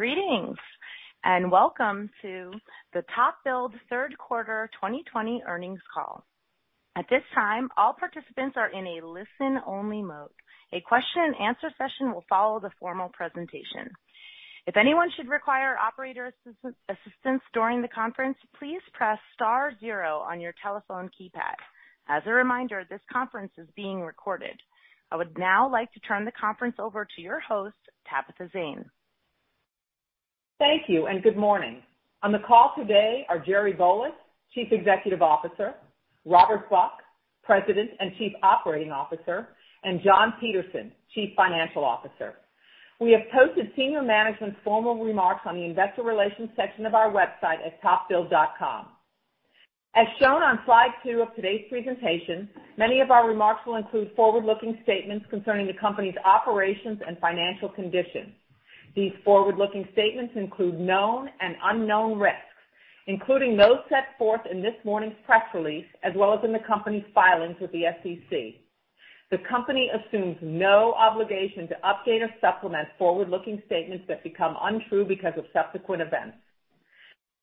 Greetings, and welcome to the TopBuild Third Quarter 2020 Earnings Call. At this time, all participants are in a listen-only mode. A question and answer session will follow the formal presentation. If anyone should require operator assistance during the conference, please press star zero on your telephone keypad. As a reminder, this conference is being recorded. I would now like to turn the conference over to your host, Tabitha Zane. Thank you, and good morning. On the call today are Jerry Volas, Chief Executive Officer, Robert Buck, President and Chief Operating Officer, and John Peterson, Chief Financial Officer. We have posted senior management's formal remarks on the investor relations section of our website at topbuild.com. As shown on slide two of today's presentation, many of our remarks will include forward-looking statements concerning the company's operations and financial condition. These forward-looking statements include known and unknown risks, including those set forth in this morning's press release, as well as in the company's filings with the SEC. The company assumes no obligation to update or supplement forward-looking statements that become untrue because of subsequent events.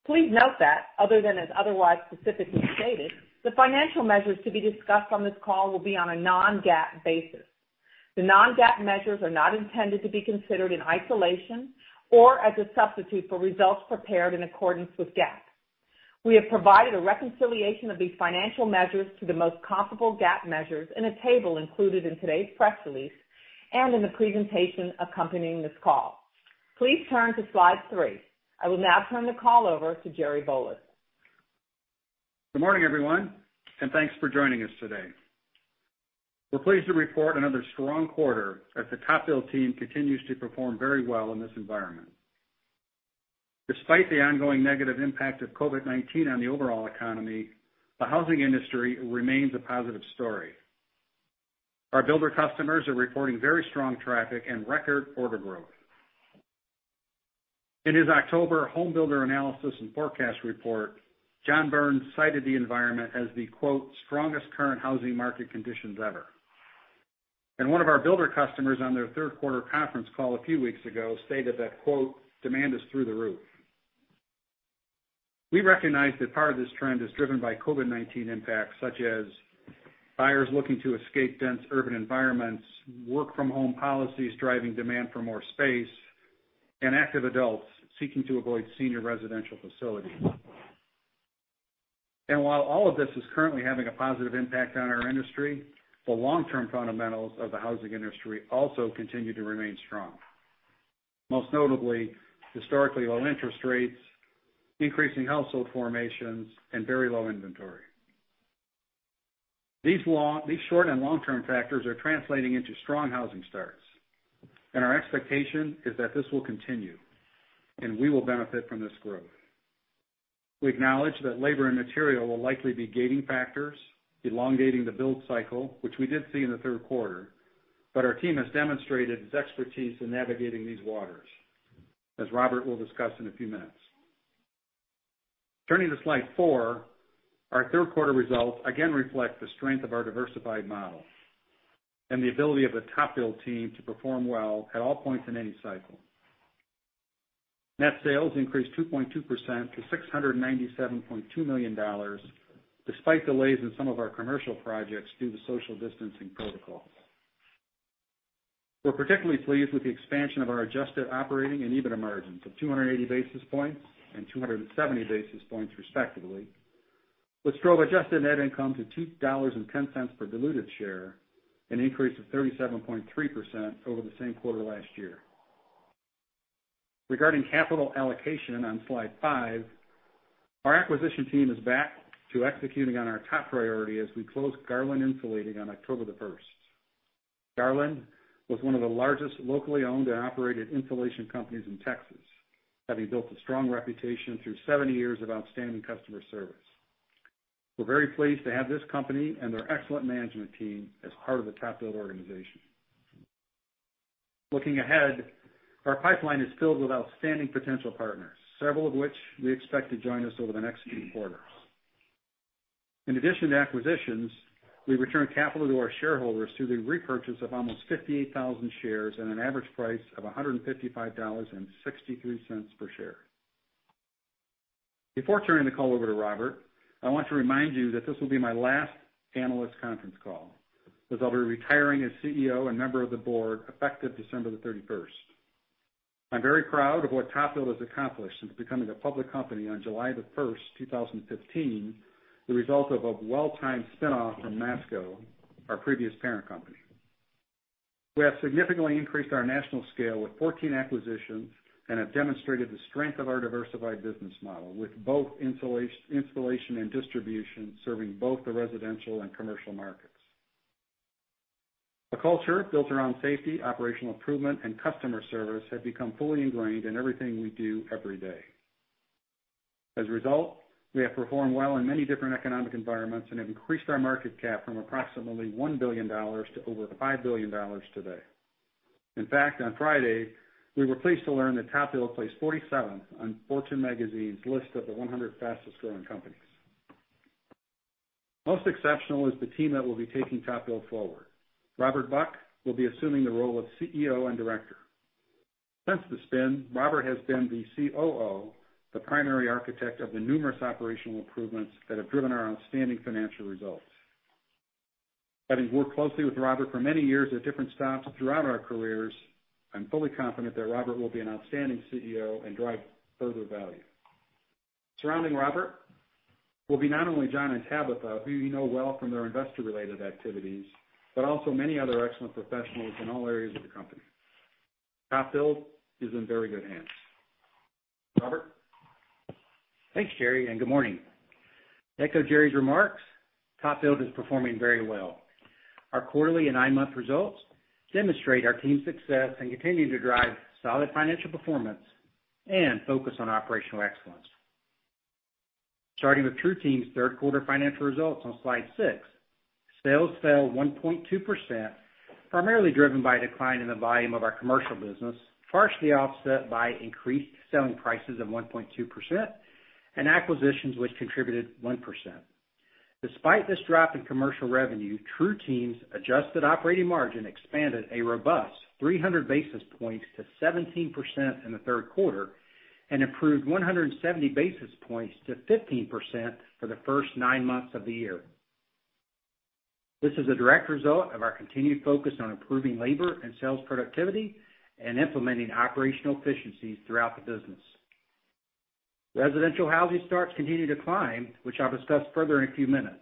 Please note that other than as otherwise specifically stated, the financial measures to be discussed on this call will be on a non-GAAP basis. The non-GAAP measures are not intended to be considered in isolation or as a substitute for results prepared in accordance with GAAP. We have provided a reconciliation of these financial measures to the most comparable GAAP measures in a table included in today's press release and in the presentation accompanying this call. Please turn to slide three. I will now turn the call over to Jerry Volas. Good morning, everyone, and thanks for joining us today. We're pleased to report another strong quarter as the TopBuild team continues to perform very well in this environment. Despite the ongoing negative impact of COVID-19 on the overall economy, the housing industry remains a positive story. Our builder customers are reporting very strong traffic and record order growth. In his October Home Builder Analysis and Forecast report, John Burns cited the environment as the, quote, "strongest current housing market conditions ever," and one of our builder customers on their third quarter conference call a few weeks ago stated that, quote, "Demand is through the roof." We recognize that part of this trend is driven by COVID-19 impacts, such as buyers looking to escape dense urban environments, work-from-home policies driving demand for more space, and active adults seeking to avoid senior residential facilities. And while all of this is currently having a positive impact on our industry, the long-term fundamentals of the housing industry also continue to remain strong. Most notably, historically low interest rates, increasing household formations, and very low inventory. These short- and long-term factors are translating into strong housing starts, and our expectation is that this will continue, and we will benefit from this growth. We acknowledge that labor and material will likely be gating factors, elongating the build cycle, which we did see in the third quarter, but our team has demonstrated its expertise in navigating these waters, as Robert will discuss in a few minutes. Turning to slide four, our third quarter results again reflect the strength of our diversified model and the ability of the TopBuild team to perform well at all points in any cycle. Net sales increased 2.2% to $697.2 million, despite delays in some of our commercial projects due to social distancing protocols. We're particularly pleased with the expansion of our adjusted operating and EBITDA margins of 280 basis points and 270 basis points, respectively, which drove adjusted net income to $2.10 per diluted share, an increase of 37.3% over the same quarter last year. Regarding capital allocation on slide five, our acquisition team is back to executing on our top priority as we closed Garland Insulating on October 1. Garland was one of the largest locally owned and operated insulation companies in Texas, having built a strong reputation through 70 years of outstanding customer service. We're very pleased to have this company and their excellent management team as part of the TopBuild organization. Looking ahead, our pipeline is filled with outstanding potential partners, several of which we expect to join us over the next few quarters. In addition to acquisitions, we returned capital to our shareholders through the repurchase of almost 58,000 shares at an average price of $155.63 per share. Before turning the call over to Robert, I want to remind you that this will be my last analyst conference call, as I'll be retiring as CEO and member of the board effective December the thirty-first. I'm very proud of what TopBuild has accomplished since becoming a public company on July the first, 2015, the result of a well-timed spin-off from Masco, our previous parent company. We have significantly increased our national scale with fourteen acquisitions and have demonstrated the strength of our diversified business model, with both insulation installation and distribution, serving both the residential and commercial markets. A culture built around safety, operational improvement, and customer service have become fully ingrained in everything we do every day. As a result, we have performed well in many different economic environments and have increased our market cap from approximately $1 billion to over $5 billion today. In fact, on Friday, we were pleased to learn that TopBuild placed forty-seventh on Fortune magazine's list of the 100 Fastest-Growing Companies. Most exceptional is the team that will be taking TopBuild forward. Robert Buck will be assuming the role of CEO and director. Since the spin, Robert has been the COO, the primary architect of the numerous operational improvements that have driven our outstanding financial results. Having worked closely with Robert for many years at different stops throughout our careers, I'm fully confident that Robert will be an outstanding CEO and drive further value. Surrounding Robert will be not only John and Tabitha, who you know well from their investor-related activities, but also many other excellent professionals in all areas of the company. TopBuild is in very good hands. Robert? Thanks, Jerry, and good morning. To echo Jerry's remarks, TopBuild is performing very well. Our quarterly and nine-month results demonstrate our team's success in continuing to drive solid financial performance and focus on operational excellence. Starting with TruTeam's third quarter financial results on slide 6, sales fell 1.2%, primarily driven by a decline in the volume of our commercial business, partially offset by increased selling prices of 1.2% and acquisitions, which contributed 1%. Despite this drop in commercial revenue, TruTeam's adjusted operating margin expanded a robust 300 basis points to 17% in the third quarter and improved 170 basis points to 15% for the first nine months of the year. This is a direct result of our continued focus on improving labor and sales productivity and implementing operational efficiencies throughout the business. Residential housing starts to continue to climb, which I'll discuss further in a few minutes.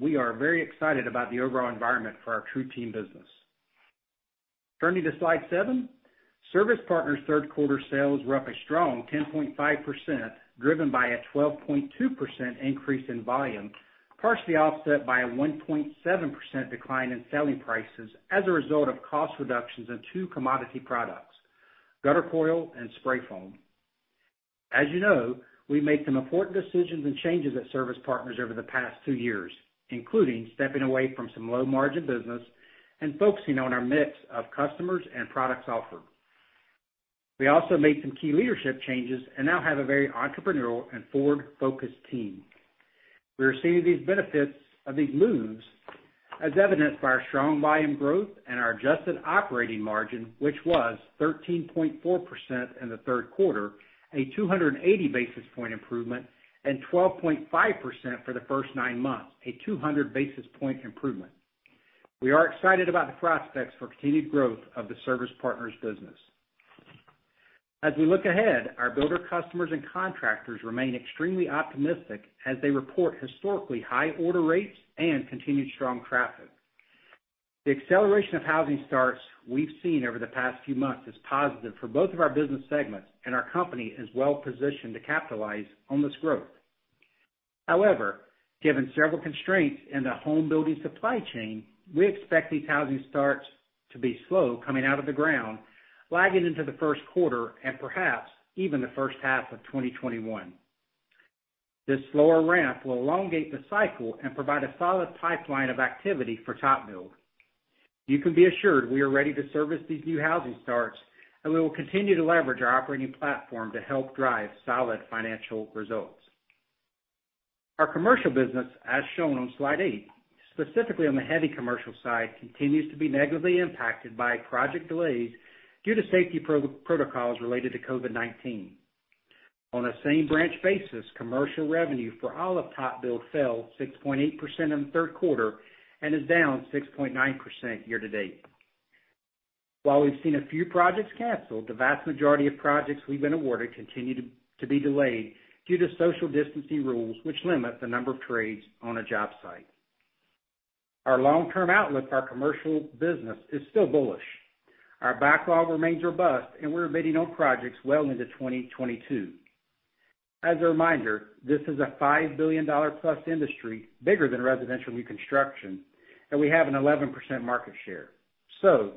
We are very excited about the overall environment for our TruTeam business. Turning to slide seven, Service Partners' third quarter sales were up a strong 10.5%, driven by a 12.2% increase in volume, partially offset by a 1.7% decline in selling prices as a result of cost reductions in two commodity products, gutter coil and spray foam. As you know, we've made some important decisions and changes at Service Partners over the past 2 years, including stepping away from some low-margin business and focusing on our mix of customers and products offered. We also made some key leadership changes and now have a very entrepreneurial and forward-focused team. We are seeing these benefits of these moves, as evidenced by our strong volume growth and our adjusted operating margin, which was 13.4% in the third quarter, a 280 basis points improvement, and 12.5% for the first nine months, a 200 basis points improvement. We are excited about the prospects for continued growth of the Service Partners business. As we look ahead, our builder customers and contractors remain extremely optimistic as they report historically high order rates and continued strong traffic. The acceleration of housing starts we've seen over the past few months is positive for both of our business segments, and our company is well positioned to capitalize on this growth. However, given several constraints in the home building supply chain, we expect these housing starts to be slow coming out of the ground, lagging into the first quarter and perhaps even the first half of 2021. This slower ramp will elongate the cycle and provide a solid pipeline of activity for TopBuild. You can be assured we are ready to service these new housing starts, and we will continue to leverage our operating platform to help drive solid financial results. Our commercial business, as shown on slide eight, specifically on the heavy commercial side, continues to be negatively impacted by project delays due to safety protocols related to COVID-19. On a same-branch basis, commercial revenue for all of TopBuild fell 6.8% in the third quarter and is down 6.9% year to date. While we've seen a few projects canceled, the vast majority of projects we've been awarded continue to be delayed due to social distancing rules, which limit the number of trades on a job site. Our long-term outlook for our commercial business is still bullish. Our backlog remains robust, and we're bidding on projects well into 2022. As a reminder, this is a $5 billion-plus industry, bigger than residential reconstruction, and we have an 11% market share. So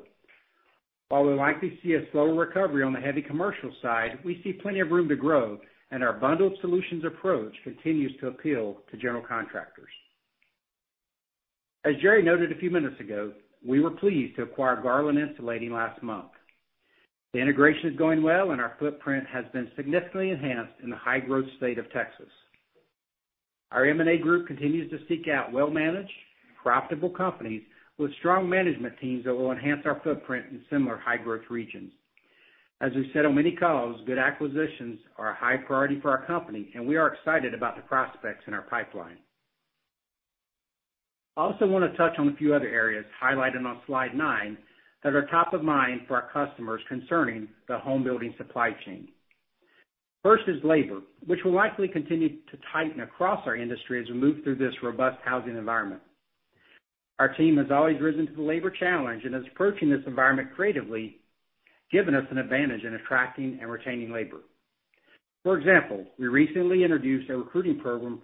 while we'll likely see a slower recovery on the heavy commercial side, we see plenty of room to grow, and our bundled solutions approach continues to appeal to general contractors. As Jerry noted a few minutes ago, we were pleased to acquire Garland Insulating last month. The integration is going well, and our footprint has been significantly enhanced in the high-growth state of Texas. Our M&A group continues to seek out well-managed, profitable companies with strong management teams that will enhance our footprint in similar high-growth regions. As we've said on many calls, good acquisitions are a high priority for our company, and we are excited about the prospects in our pipeline. I also want to touch on a few other areas highlighted on slide nine that are top of mind for our customers concerning the home building supply chain. First is labor, which will likely continue to tighten across our industry as we move through this robust housing environment. Our team has always risen to the labor challenge and is approaching this environment creatively, giving us an advantage in attracting and retaining labor. For example, we recently introduced a recruiting program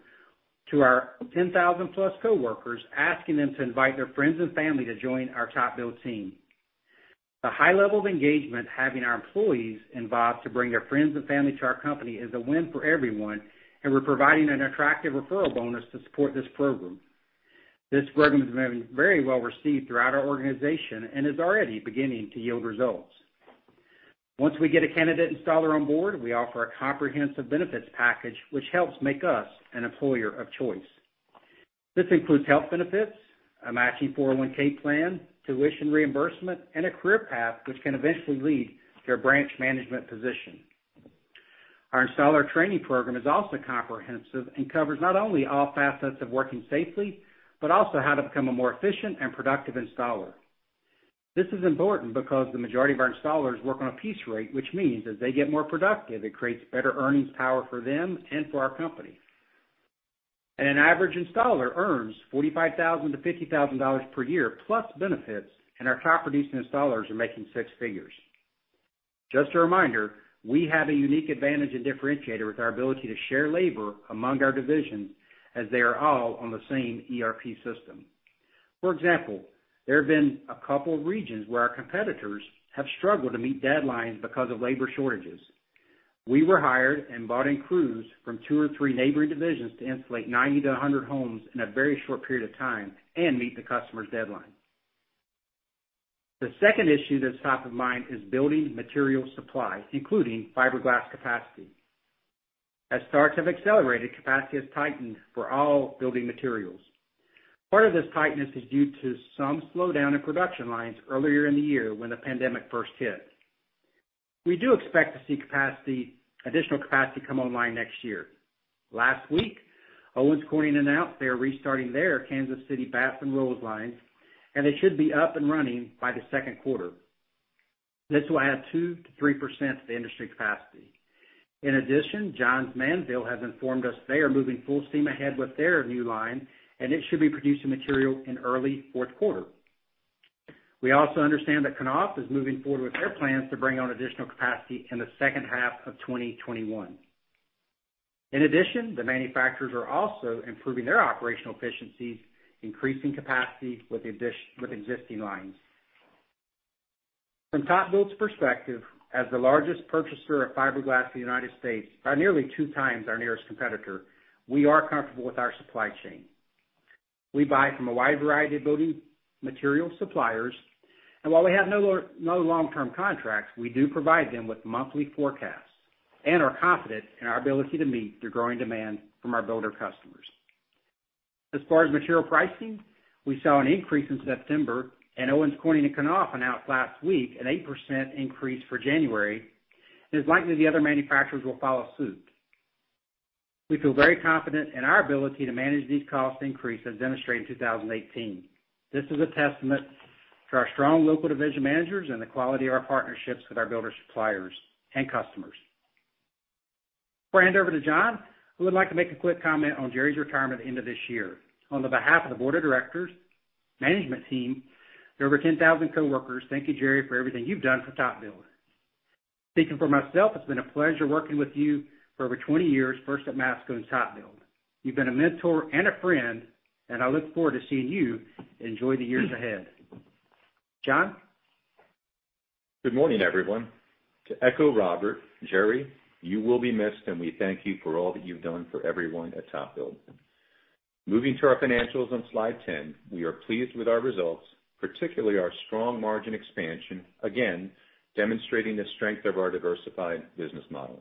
to our 10,000-plus coworkers, asking them to invite their friends and family to join our TopBuild team. The high level of engagement, having our employees involved to bring their friends and family to our company, is a win for everyone, and we're providing an attractive referral bonus to support this program. This program is very well received throughout our organization and is already beginning to yield results.... Once we get a candidate installer on board, we offer a comprehensive benefits package, which helps make us an employer of choice. This includes health benefits, a matching 401(k) plan, tuition reimbursement, and a career path which can eventually lead to a branch management position. Our installer training program is also comprehensive and covers not only all facets of working safely, but also how to become a more efficient and productive installer. This is important because the majority of our installers work on a piece rate, which means as they get more productive, it creates better earnings power for them and for our company. And an average installer earns $45,000-$50,000 per year, plus benefits, and our top-producing installers are making six figures. Just a reminder, we have a unique advantage and differentiator with our ability to share labor among our divisions as they are all on the same ERP system. For example, there have been a couple of regions where our competitors have struggled to meet deadlines because of labor shortages. We were hired and brought in crews from two or three neighboring divisions to insulate 90-100 homes in a very short period of time and meet the customer's deadlines. The second issue that's top of mind is building material supply, including fiberglass capacity. As starts have accelerated, capacity has tightened for all building materials. Part of this tightness is due to some slowdown in production lines earlier in the year when the pandemic first hit. We do expect to see additional capacity come online next year. Last week, Owens Corning announced they are restarting their Kansas City batts and rolls line, and it should be up and running by the second quarter. This will add 2% to 3% to the industry capacity. In addition, Johns Manville has informed us they are moving full steam ahead with their new line, and it should be producing material in early fourth quarter. We also understand that Knauf is moving forward with their plans to bring on additional capacity in the second half of 2021. In addition, the manufacturers are also improving their operational efficiencies, increasing capacity with existing lines. From TopBuild's perspective, as the largest purchaser of fiberglass in the United States, by nearly two times our nearest competitor, we are comfortable with our supply chain. We buy from a wide variety of building material suppliers, and while we have no long-term contracts, we do provide them with monthly forecasts and are confident in our ability to meet the growing demand from our builder customers. As far as material pricing, we saw an increase in September, and Owens Corning and Knauf announced last week an 8% increase for January, and it's likely the other manufacturers will follow suit. We feel very confident in our ability to manage these cost increases, as demonstrated in 2018. This is a testament to our strong local division managers and the quality of our partnerships with our builder suppliers and customers. Before I hand over to John, I would like to make a quick comment on Jerry's retirement at the end of this year. On behalf of the board of directors, management team, and over 10,000 coworkers, thank you, Jerry, for everything you've done for TopBuild. Speaking for myself, it's been a pleasure working with you for over 20 years, first at Masco and TopBuild. You've been a mentor and a friend, and I look forward to seeing you enjoy the years ahead. John? Good morning, everyone. To echo Robert, Jerry, you will be missed, and we thank you for all that you've done for everyone at TopBuild. Moving to our financials on slide 10, we are pleased with our results, particularly our strong margin expansion, again, demonstrating the strength of our diversified business model.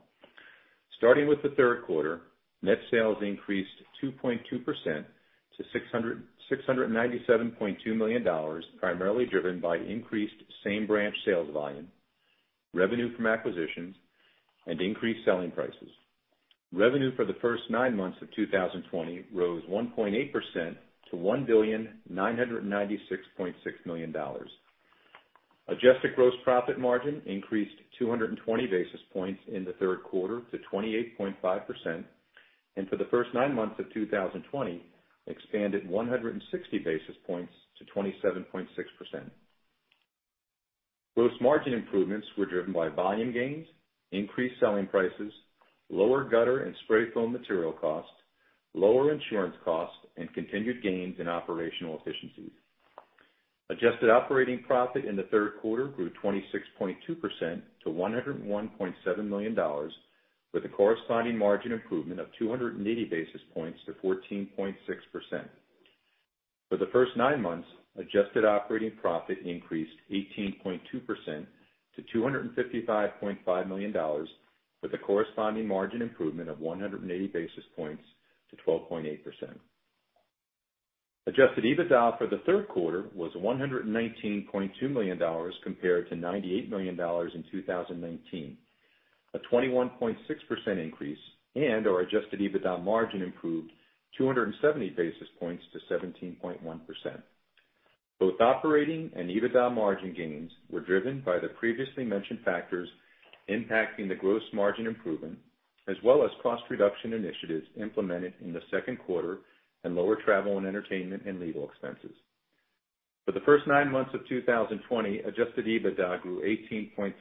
Starting with the third quarter, net sales increased 2.2% to $697.2 million, primarily driven by increased same-branch sales volume, revenue from acquisitions, and increased selling prices. Revenue for the first nine months of 2020 rose 1.8% to $1,996.6 million. Adjusted gross profit margin increased 220 basis points in the third quarter to 28.5%, and for the first nine months of 2020, expanded 160 basis points to 27.6%. Gross margin improvements were driven by volume gains, increased selling prices, lower gutter and spray foam material costs, lower insurance costs, and continued gains in operational efficiencies. Adjusted operating profit in the third quarter grew 26.2% to $101.7 million, with a corresponding margin improvement of 280 basis points to 14.6%. For the first nine months, adjusted operating profit increased 18.2% to $255.5 million, with a corresponding margin improvement of 180 basis points to 12.8%. Adjusted EBITDA for the third quarter was $119.2 million, compared to $98 million in 2019, a 21.6% increase, and our adjusted EBITDA margin improved 270 basis points to 17.1%. Both operating and EBITDA margin gains were driven by the previously mentioned factors impacting the gross margin improvement, as well as cost reduction initiatives implemented in the second quarter and lower travel and entertainment and legal expenses. For the first nine months of 2020, adjusted EBITDA grew 18.3%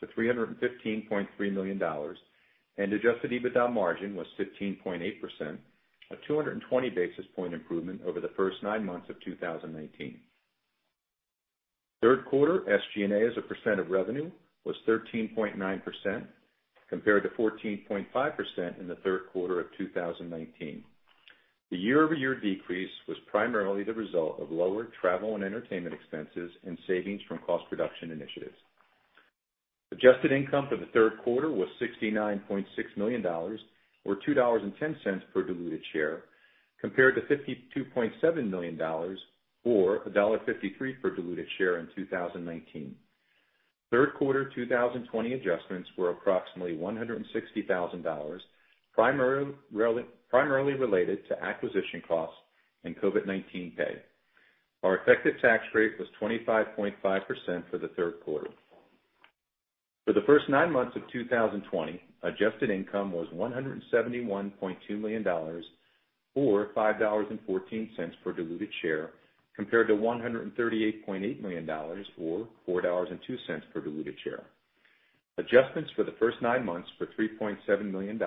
to $315.3 million, and adjusted EBITDA margin was 15.8%, a 220 basis point improvement over the first nine months of 2019. Third quarter SG&A as a percent of revenue was 13.9%, compared to 14.5% in the third quarter of 2019. The year-over-year decrease was primarily the result of lower travel and entertainment expenses and savings from cost reduction initiatives. Adjusted income for the third quarter was $69.6 million, or $2.10 per diluted share, compared to $52.7 million, or $1.53 per diluted share in 2019. Third quarter 2020 adjustments were approximately $160,000, primarily related to acquisition costs and COVID-19 pay. Our effective tax rate was 25.5% for the third quarter. For the first nine months of 2020, adjusted income was $171.2 million, or $5.14 per diluted share, compared to $138.8 million, or $4.02 per diluted share. Adjustments for the first nine months were $3.7 million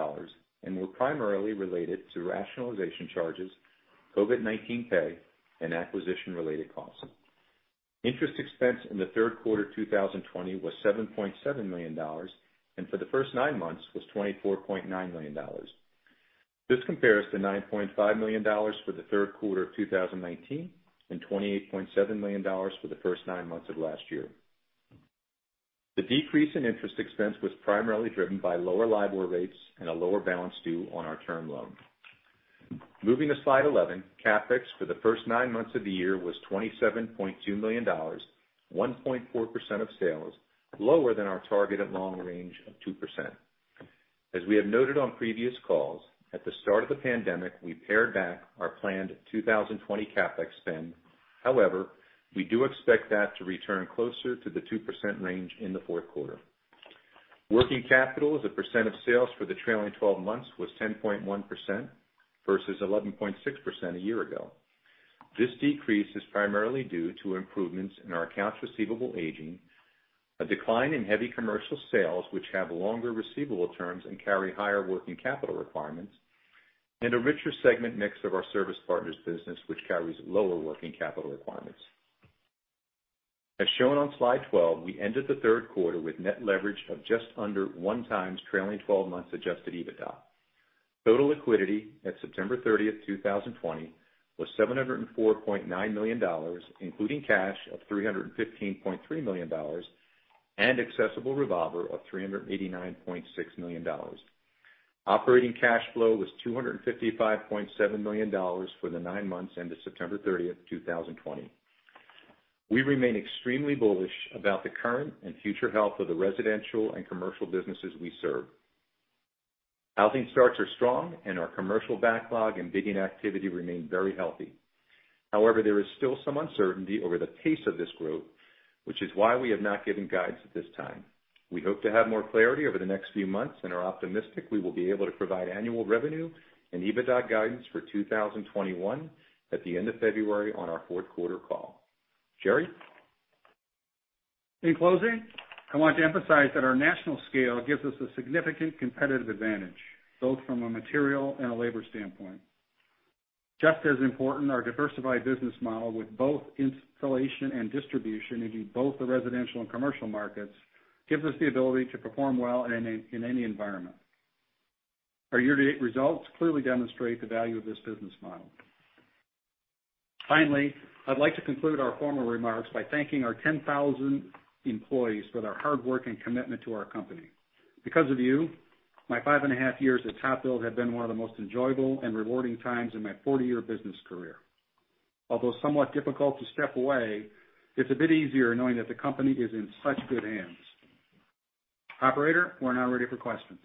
and were primarily related to rationalization charges, COVID-19 pay, and acquisition-related costs. Interest expense in the third quarter 2020 was $7.7 million, and for the first nine months was $24.9 million. This compares to $9.5 million for the third quarter of 2019, and $28.7 million for the first nine months of last year. The decrease in interest expense was primarily driven by lower LIBOR rates and a lower balance due on our term loan. Moving to slide 11, CapEx for the first nine months of the year was $27.2 million, 1.4% of sales, lower than our targeted long range of 2%. As we have noted on previous calls, at the start of the pandemic, we pared back our planned 2020 CapEx spend. However, we do expect that to return closer to the 2% range in the fourth quarter. Working capital as a percent of sales for the trailing twelve months was 10.1% versus 11.6% a year ago. This decrease is primarily due to improvements in our accounts receivable aging, a decline in heavy commercial sales, which have longer receivable terms and carry higher working capital requirements, and a richer segment mix of our Service Partners business, which carries lower working capital requirements. As shown on slide 12, we ended the third quarter with net leverage of just under 1 times trailing twelve months Adjusted EBITDA. Total liquidity at September thirtieth, 2020, was $704.9 million, including cash of $315.3 million, and accessible revolver of $389.6 million. Operating cash flow was $255.7 million for the nine months ended September 30, 2020. We remain extremely bullish about the current and future health of the residential and commercial businesses we serve. Housing starts are strong, and our commercial backlog and bidding activity remain very healthy. However, there is still some uncertainty over the pace of this growth, which is why we have not given guidance at this time. We hope to have more clarity over the next few months and are optimistic we will be able to provide annual revenue and EBITDA guidance for 2020 at the end of February on our fourth quarter call. Jerry? In closing, I want to emphasize that our national scale gives us a significant competitive advantage, both from a material and a labor standpoint. Just as important, our diversified business model with both installation and distribution in both the residential and commercial markets gives us the ability to perform well in any environment. Our year-to-date results clearly demonstrate the value of this business model. Finally, I'd like to conclude our formal remarks by thanking our 10,000 employees for their hard work and commitment to our company. Because of you, my five and a half years at TopBuild have been one of the most enjoyable and rewarding times in my 40-year business career. Although somewhat difficult to step away, it's a bit easier knowing that the company is in such good hands. Operator, we're now ready for questions.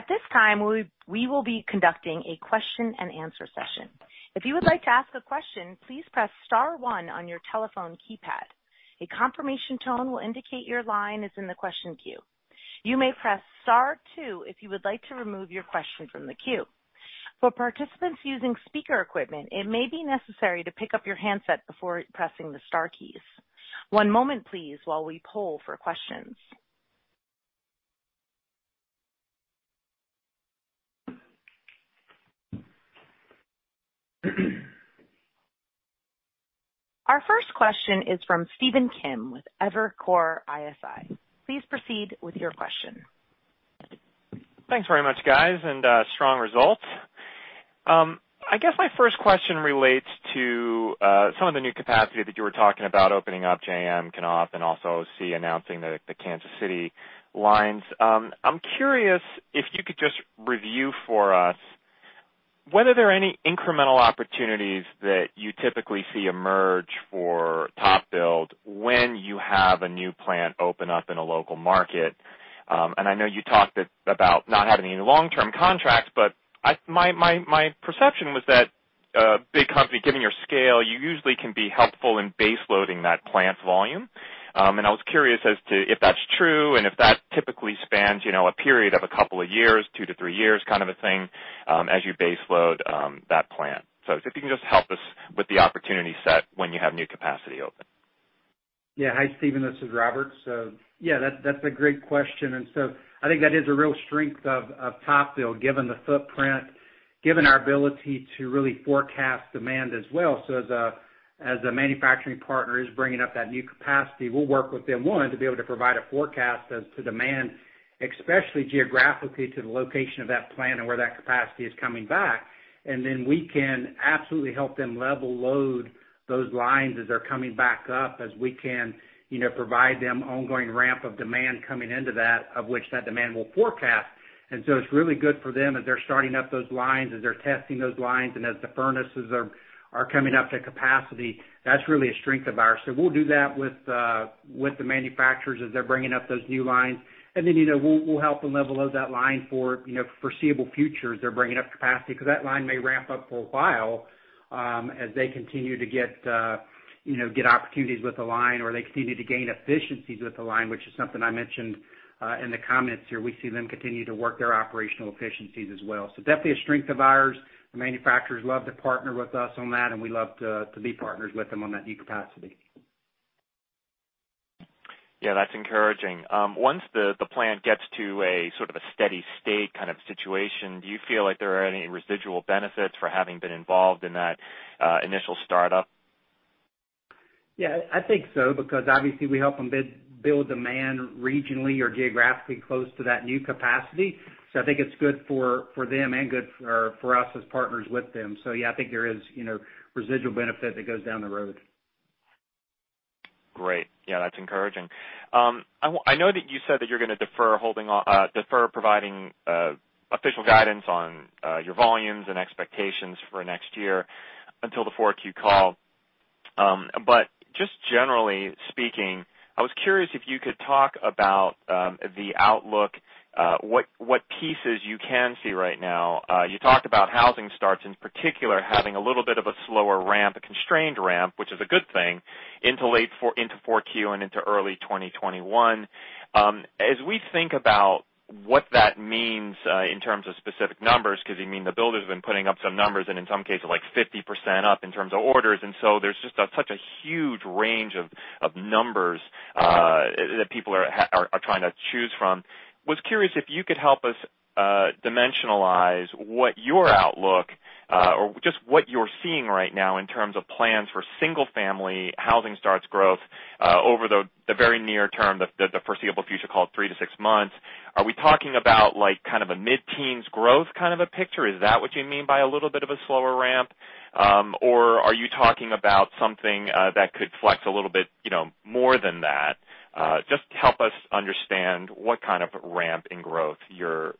At this time, we will be conducting a question-and-answer session. If you would like to ask a question, please press star one on your telephone keypad. A confirmation tone will indicate your line is in the question queue. You may press star two if you would like to remove your question from the queue. For participants using speaker equipment, it may be necessary to pick up your handset before pressing the star keys. One moment, please, while we poll for questions. Our first question is from Stephen Kim with Evercore ISI. Please proceed with your question. Thanks very much, guys, and strong results. I guess my first question relates to some of the new capacity that you were talking about opening up, JM, Knauf, and also Owens Corning announcing the Kansas City lines. I'm curious if you could just review for us whether there are any incremental opportunities that you typically see emerge for TopBuild when you have a new plant open up in a local market. And I know you talked about not having any long-term contracts, but... My perception was that a big company, given your scale, you usually can be helpful in base loading that plant volume. And I was curious as to if that's true, and if that typically spans, you know, a period of a couple of years, two to three years, kind of a thing, as you base load, that plant. So if you can just help us with the opportunity set when you have new capacity open. Yeah. Hi, Stephen, this is Robert. So, yeah, that's a great question, and so I think that is a real strength of TopBuild, given the footprint, given our ability to really forecast demand as well, so as a manufacturing partner is bringing up that new capacity, we'll work with them, one, to be able to provide a forecast as to demand especially geographically to the location of that plant and where that capacity is coming back, and then we can absolutely help them level load those lines as they're coming back up, as we can, you know, provide them ongoing ramp of demand coming into that, of which that demand will forecast. And so it's really good for them as they're starting up those lines, as they're testing those lines, and as the furnaces are coming up to capacity. That's really a strength of ours. So we'll do that with the manufacturers as they're bringing up those new lines. Then, you know, we'll help them level load that line for, you know, foreseeable future as they're bringing up capacity, because that line may ramp up for a while, as they continue to get, you know, get opportunities with the line or they continue to gain efficiencies with the line, which is something I mentioned in the comments here. We see them continue to work their operational efficiencies as well. Definitely a strength of ours. The manufacturers love to partner with us on that, and we love to be partners with them on that new capacity. Yeah, that's encouraging. Once the plant gets to a sort of a steady state kind of situation, do you feel like there are any residual benefits for having been involved in that initial startup? Yeah, I think so, because obviously we help them build demand regionally or geographically close to that new capacity. So I think it's good for them and good for us as partners with them. So yeah, I think there is, you know, residual benefit that goes down the road. Great. Yeah, that's encouraging. I know that you said that you're going to defer providing official guidance on your volumes and expectations for next year until the 4Q call. But just generally speaking, I was curious if you could talk about the outlook, what pieces you can see right now. You talked about housing starts in particular, having a little bit of a slower ramp, a constrained ramp, which is a good thing, into late 4Q and into early 2021. As we think about what that means in terms of specific numbers, because, I mean, the builders have been putting up some numbers, and in some cases, like 50% up in terms of orders. There's just such a huge range of numbers that people are trying to choose from. Was curious if you could help us dimensionalize what your outlook or just what you're seeing right now in terms of plans for single family housing starts growth over the very near term, the foreseeable future, call it three to six months. Are we talking about, like, kind of a mid-teens growth kind of a picture? Is that what you mean by a little bit of a slower ramp, or are you talking about something that could flex a little bit, you know, more than that? Just help us understand what kind of ramp in growth you're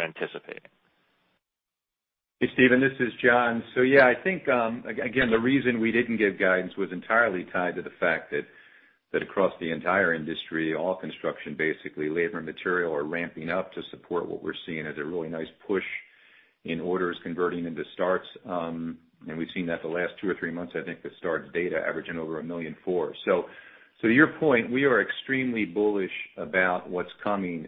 anticipating. Hey, Steven, this is John. So yeah, I think, again, the reason we didn't give guidance was entirely tied to the fact that across the entire industry, all construction, basically labor and material, are ramping up to support what we're seeing as a really nice push in orders converting into starts. And we've seen that the last two or three months, I think, the starts data averaging over a million four. So to your point, we are extremely bullish about what's coming.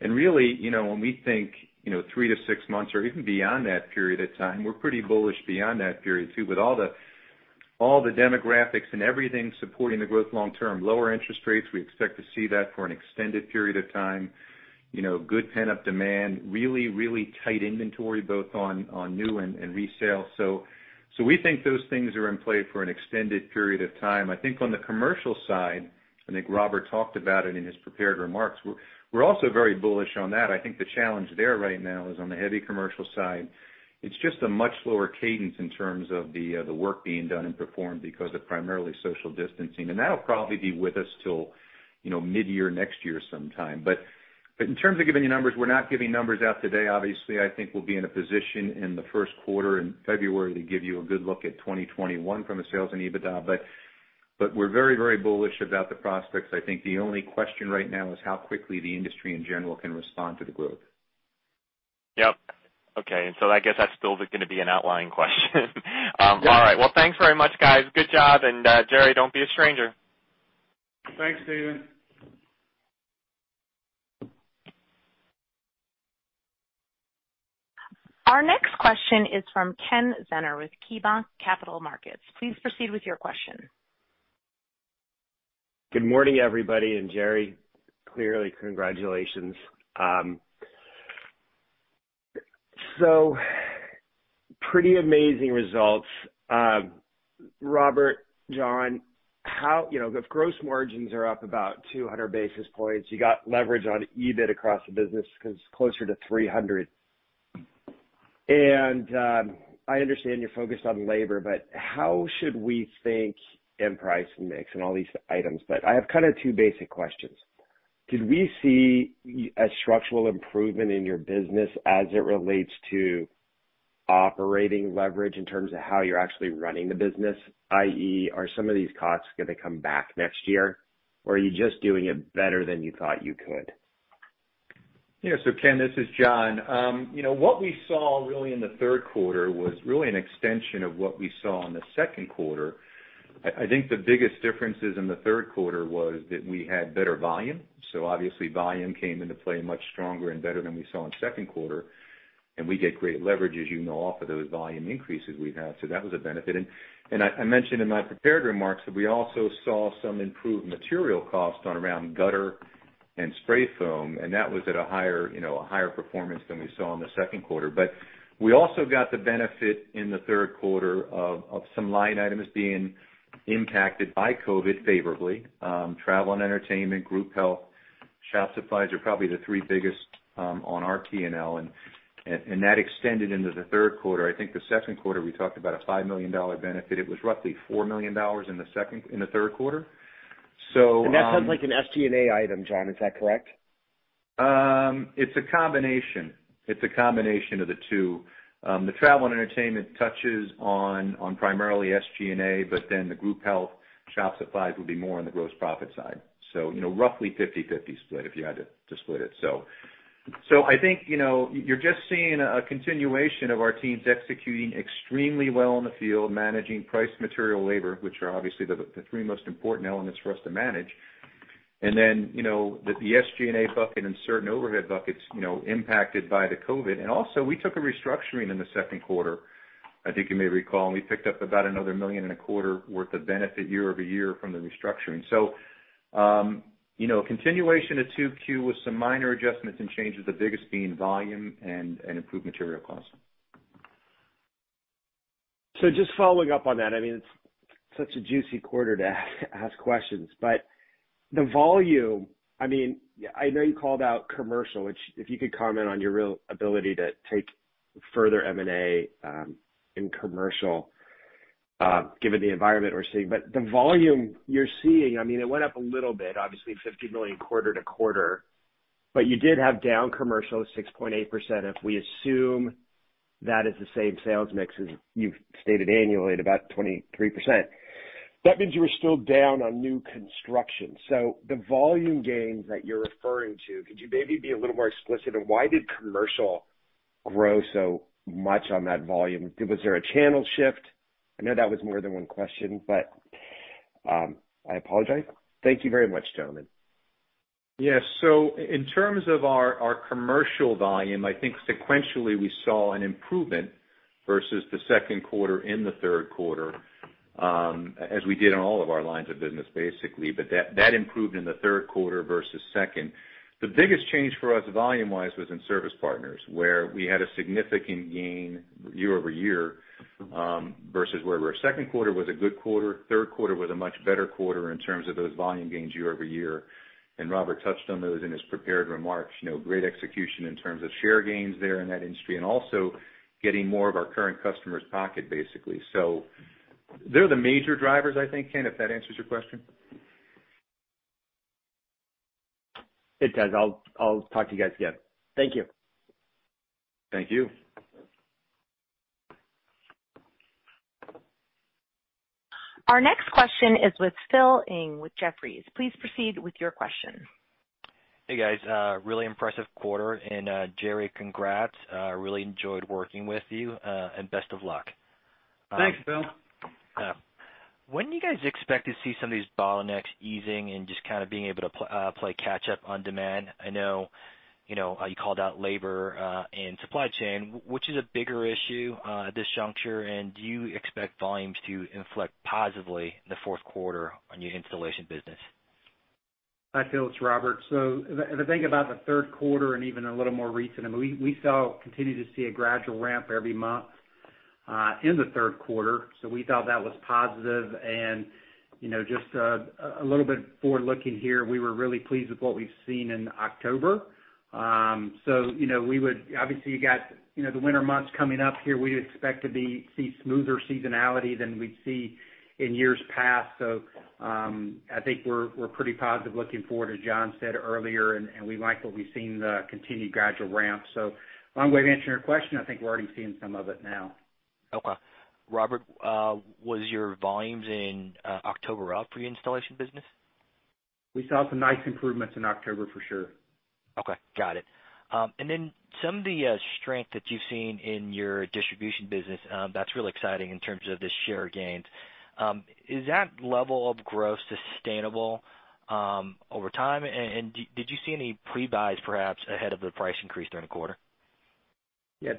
And really, you know, when we think, you know, three to six months or even beyond that period of time, we're pretty bullish beyond that period, too. With all the demographics and everything supporting the growth long term, lower interest rates, we expect to see that for an extended period of time. You know, good pent-up demand, really, really tight inventory, both on new and resale. So we think those things are in play for an extended period of time. I think on the commercial side, I think Robert talked about it in his prepared remarks, we're also very bullish on that. I think the challenge there right now is on the heavy commercial side. It's just a much lower cadence in terms of the work being done and performed because of primarily social distancing, and that'll probably be with us till, you know, midyear next year sometime. But in terms of giving you numbers, we're not giving numbers out today. Obviously, I think we'll be in a position in the first quarter in February to give you a good look at twenty twenty-one from a sales and EBITDA. We're very, very bullish about the prospects. I think the only question right now is how quickly the industry in general can respond to the growth. Yep. Okay. And so I guess that's still going to be an outlying question. All right. Well, thanks very much, guys. Good job, and, Jerry, don't be a stranger. Thanks, Steven. Our next question is from Ken Zener with KeyBanc Capital Markets. Please proceed with your question. Good morning, everybody, and Jerry, clearly congratulations. So pretty amazing results. Robert, John, how? You know, the gross margins are up about two hundred basis points. You got leverage on EBIT across the business because it's closer to three hundred. And I understand you're focused on labor, but how should we think and price and mix and all these items? But I have kind of two basic questions: Did we see a structural improvement in your business as it relates to operating leverage in terms of how you're actually running the business, i.e., are some of these costs going to come back next year, or are you just doing it better than you thought you could? Yeah. So, Ken, this is John. You know, what we saw really in the third quarter was really an extension of what we saw in the second quarter. I think the biggest differences in the third quarter was that we had better volume, so obviously volume came into play much stronger and better than we saw in the second quarter, and we get great leverage, as you know, off of those volume increases we've had. So that was a benefit. And I mentioned in my prepared remarks that we also saw some improved material costs on around gutter and spray foam, and that was at a higher, you know, a higher performance than we saw in the second quarter. But we also got the benefit in the third quarter of some line items being impacted by COVID favorably, travel and entertainment, group health. Shop supplies are probably the three biggest on our P&L, and that extended into the third quarter. I think the second quarter, we talked about a $5 million benefit. It was roughly $4 million in the third quarter. So,. And that sounds like an SG&A item, John, is that correct? It's a combination. It's a combination of the two. The travel and entertainment touches on primarily SG&A, but then the group health, shop supplies would be more on the gross profit side. So, you know, roughly 50-50 split, if you had to split it. So I think, you know, you're just seeing a continuation of our teams executing extremely well in the field, managing price, material, labor, which are obviously the three most important elements for us to manage. And then, you know, the SG&A bucket and certain overhead buckets, you know, impacted by the COVID. And also, we took a restructuring in the second quarter. I think you may recall, and we picked up about another $1.25 million worth of benefit year-over-year from the restructuring. You know, continuation of 2Q with some minor adjustments and changes, the biggest being volume and improved material costs. So just following up on that, I mean, it's such a juicy quarter to ask questions. But the volume, I mean, I know you called out commercial, which if you could comment on your real ability to take further M&A in commercial, given the environment we're seeing. But the volume you're seeing, I mean, it went up a little bit, obviously $50 million quarter to quarter, but you did have down commercial 6.8%. If we assume that is the same sales mix as you've stated annually, at about 23%, that means you were still down on new construction. So the volume gains that you're referring to, could you maybe be a little more explicit? And why did commercial grow so much on that volume? Was there a channel shift? I know that was more than one question, but, I apologize. Thank you very much, gentlemen. Yes. So in terms of our commercial volume, I think sequentially we saw an improvement versus the second quarter in the third quarter, as we did on all of our lines of business, basically. But that improved in the third quarter versus second. The biggest change for us, volume-wise, was in Service Partners, where we had a significant gain year-over-year, versus where we were. Second quarter was a good quarter, third quarter was a much better quarter in terms of those volume gains year-over-year. And Robert touched on those in his prepared remarks, you know, great execution in terms of share gains there in that industry, and also getting more of our current customers' pocket, basically. So they're the major drivers, I think, Ken, if that answers your question. It does. I'll, I'll talk to you guys again. Thank you. Thank you. Our next question is with Phil Ng with Jefferies. Please proceed with your question. Hey, guys, really impressive quarter, and, Jerry, congrats, really enjoyed working with you, and best of luck. Thanks, Phil. When do you guys expect to see some of these bottlenecks easing and just kind of being able to play catch up on demand? I know, you know, how you called out labor and supply chain. Which is a bigger issue at this juncture? And do you expect volumes to inflect positively in the fourth quarter on your installation business? Hi, Phil, it's Robert. The thing about the third quarter and even a little more recent, I mean, we continue to see a gradual ramp every month in the third quarter, so we thought that was positive. You know, just a little bit forward looking here, we were really pleased with what we've seen in October. You know, we would obviously. You got, you know, the winter months coming up here. We'd expect to see smoother seasonality than we'd see in years past. I think we're pretty positive looking forward, as John said earlier, and we like what we've seen, the continued gradual ramp. Long way of answering your question, I think we're already seeing some of it now. Okay. Robert, was your volumes in October up for your installation business? We saw some nice improvements in October, for sure. Okay, got it. And then some of the strength that you've seen in your distribution business, that's really exciting in terms of the share gains. Is that level of growth sustainable over time? And did you see any pre-buys perhaps ahead of the price increase during the quarter? Yeah.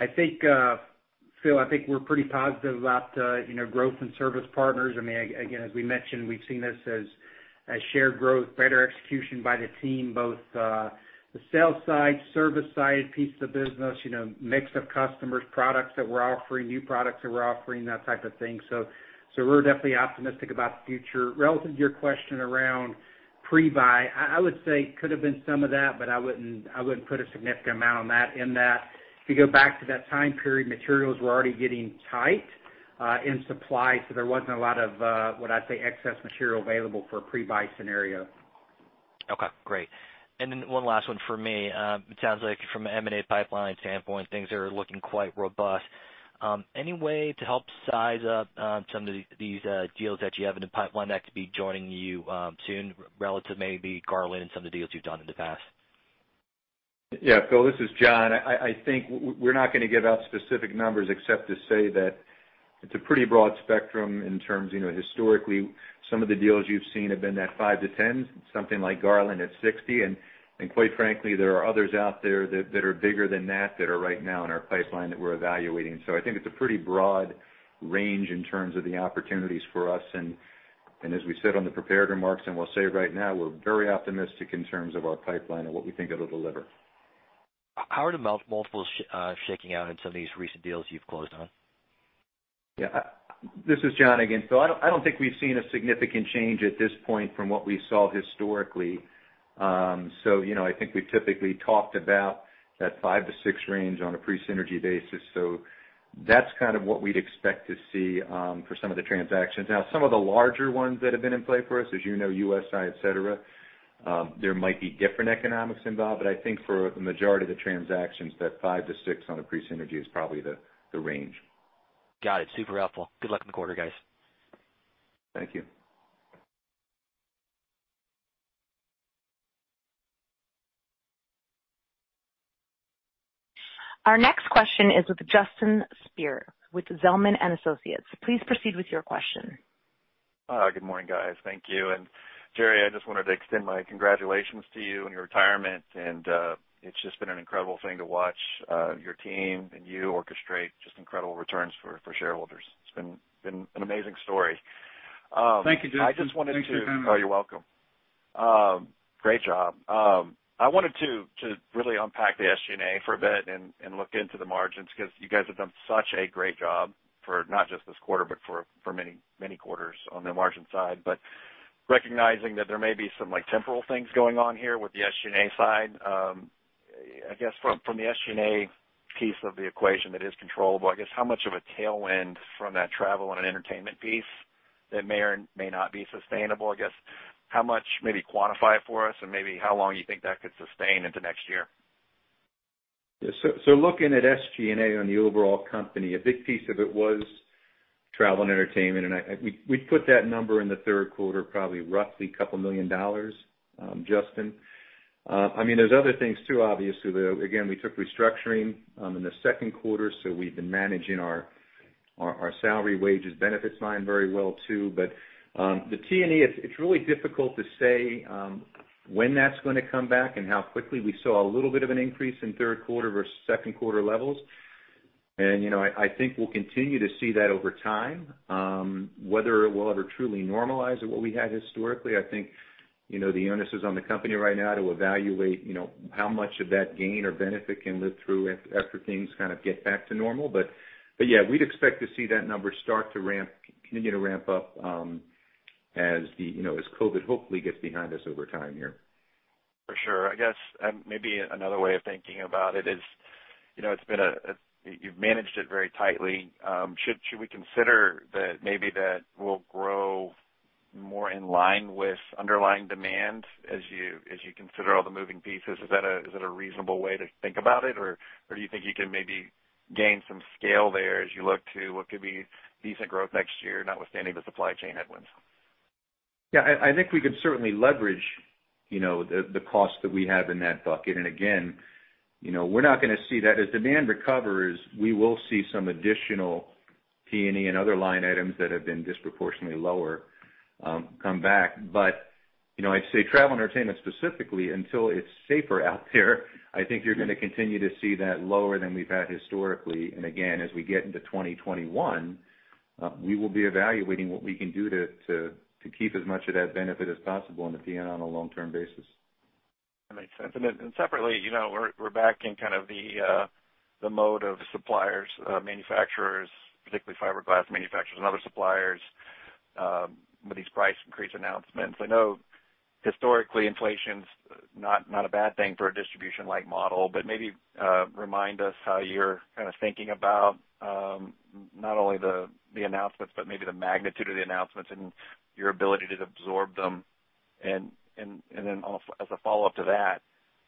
I think, Phil, I think we're pretty positive about, you know, growth and Service Partners. I mean, again, as we mentioned, we've seen this as, as shared growth, better execution by the team, both, the sales side, service side, pieces of business, you know, mix of customers, products that we're offering, new products that we're offering, that type of thing. So, so we're definitely optimistic about the future. Relative to your question around pre-buy, I, I would say could have been some of that, but I wouldn't, I wouldn't put a significant amount on that, in that. If you go back to that time period, materials were already getting tight, in supply, so there wasn't a lot of, what I'd say, excess material available for a pre-buy scenario. Okay, great. And then one last one from me. It sounds like from an M&A pipeline standpoint, things are looking quite robust. Any way to help size up some of the deals that you have in the pipeline that could be joining you soon, relative to maybe Garland and some of the deals you've done in the past? Yeah, Phil, this is John. I think we're not gonna give out specific numbers except to say that it's a pretty broad spectrum in terms, you know, historically, some of the deals you've seen have been that five to tens, something like Garland at sixty. And quite frankly, there are others out there that are bigger than that, that are right now in our pipeline that we're evaluating. So I think it's a pretty broad range in terms of the opportunities for us. And as we said on the prepared remarks, and we'll say it right now, we're very optimistic in terms of our pipeline and what we think it'll deliver. How are the multiples shaking out in some of these recent deals you've closed on? Yeah, this is John again. So I don't think we've seen a significant change at this point from what we saw historically. So, you know, I think we typically talked about that five-to-six range on a pre-synergy basis. So that's kind of what we'd expect to see for some of the transactions. Now, some of the larger ones that have been in play for us, as you know, USI, et cetera, there might be different economics involved, but I think for the majority of the transactions, that five-to-six on a pre-synergy is probably the range. Got it. Super helpful. Good luck in the quarter, guys. Thank you. Our next question is with Justin Speer, with Zelman and Associates. Please proceed with your question. Good morning, guys. Thank you. And Jerry, I just wanted to extend my congratulations to you on your retirement, and it's just been an incredible thing to watch your team and you orchestrate just incredible returns for shareholders. It's been an amazing story. Thank you, Justin. I just wanted to. Thanks for coming. Oh, you're welcome. Great job. I wanted to really unpack the SG&A for a bit and look into the margins, because you guys have done such a great job for not just this quarter, but for many, many quarters on the margin side. But recognizing that there may be some, like, temporal things going on here with the SG&A side, I guess from the SG&A piece of the equation that is controllable, I guess, how much of a tailwind from that travel and entertainment piece that may or may not be sustainable? I guess, how much, maybe quantify it for us, and maybe how long you think that could sustain into next year? Yeah. So, looking at SG&A on the overall company, a big piece of it was travel and entertainment, and we put that number in the third quarter, probably roughly $2 million, Justin. I mean, there's other things too, obviously. Again, we took restructuring in the second quarter, so we've been managing our salary, wages, benefits line very well, too. But, the T&E, it's really difficult to say when that's gonna come back and how quickly. We saw a little bit of an increase in third quarter versus second quarter levels. And, you know, I think we'll continue to see that over time. Whether it will ever truly normalize to what we had historically, I think, you know, the onus is on the company right now to evaluate, you know, how much of that gain or benefit can live through after things kind of get back to normal. But yeah, we'd expect to see that number start to ramp, continue to ramp up, as, you know, as COVID hopefully gets behind us over time here. For sure. I guess, maybe another way of thinking about it is, you know, it's been a, you've managed it very tightly. Should we consider that maybe that will grow more in line with underlying demand as you consider all the moving pieces? Is that a reasonable way to think about it, or do you think you can maybe gain some scale there as you look to what could be decent growth next year, notwithstanding the supply chain headwinds? Yeah, I think we can certainly leverage, you know, the cost that we have in that bucket. And again, you know, we're not gonna see that. As demand recovers, we will see some additional T&E and other line items that have been disproportionately lower come back. But, you know, I'd say travel and entertainment specifically, until it's safer out there, I think you're gonna continue to see that lower than we've had historically. And again, as we get into twenty twenty-one, we will be evaluating what we can do to keep as much of that benefit as possible in the P&L on a long-term basis. That makes sense, and then separately, you know, we're back in kind of the mode of suppliers, manufacturers, particularly fiberglass manufacturers and other suppliers, with these price increase announcements. I know historically, inflation's not a bad thing for a distribution-like model, but maybe remind us how you're kind of thinking about not only the announcements, but maybe the magnitude of the announcements and your ability to absorb them, and then as a follow-up to that,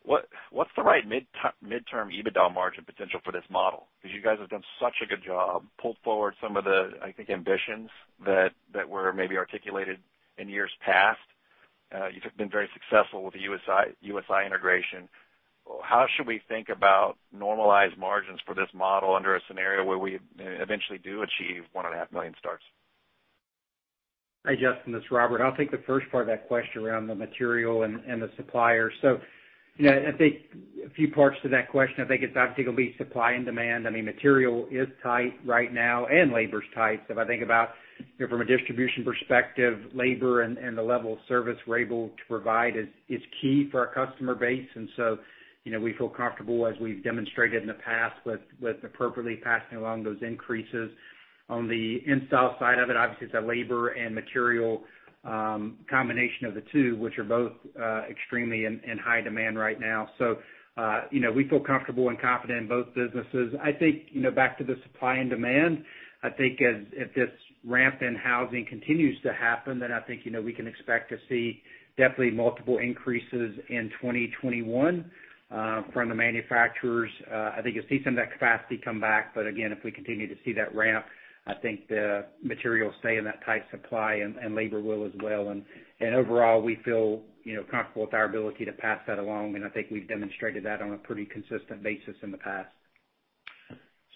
what's the right midterm EBITDA margin potential for this model? Because you guys have done such a good job, pulled forward some of the, I think, ambitions that were maybe articulated in years past. You've been very successful with the USI integration. How should we think about normalized margins for this model under a scenario where we eventually do achieve 1.5 million starts? Hi, Justin, this is Robert. I'll take the first part of that question around the material and the suppliers. So, you know, I think a few parts to that question. I think it's obviously going to be supply and demand. I mean, material is tight right now, and labor is tight. So if I think about, you know, from a distribution perspective, labor and the level of service we're able to provide is key for our customer base. And so, you know, we feel comfortable, as we've demonstrated in the past, with appropriately passing along those increases. On the install side of it, obviously, it's a labor and material combination of the two, which are both extremely high demand right now. So, you know, we feel comfortable and confident in both businesses. I think, you know, back to the supply and demand. I think as if this ramp in housing continues to happen, then I think, you know, we can expect to see definitely multiple increases in twenty twenty-one from the manufacturers. I think you'll see some of that capacity come back, but again, if we continue to see that ramp, I think the materials stay in that tight supply and labor will as well. Overall, we feel, you know, comfortable with our ability to pass that along, and I think we've demonstrated that on a pretty consistent basis in the past.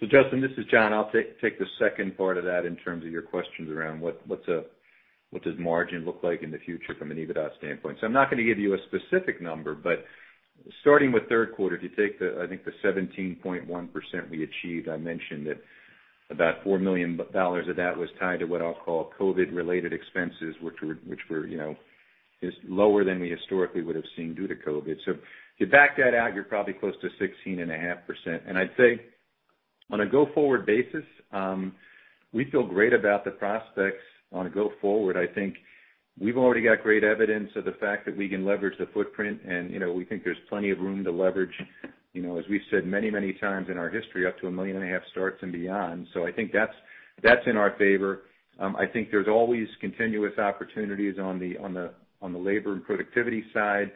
Justin, this is John. I'll take the second part of that in terms of your questions around what does margin look like in the future from an EBITDA standpoint. I'm not going to give you a specific number, but starting with third quarter, if you take the 17.1% we achieved, I mentioned that about $4 million of that was tied to what I'll call COVID-related expenses, which were lower than we historically would have seen due to COVID. So if you back that out, you're probably close to 16.5%. And I'd say on a go-forward basis, we feel great about the prospects on a go forward. I think we've already got great evidence of the fact that we can leverage the footprint, and, you know, we think there's plenty of room to leverage, you know, as we've said many, many times in our history, up to 1.5 million starts and beyond. So I think that's in our favor. I think there's always continuous opportunities on the labor and productivity side.